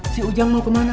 si ujang mau kemana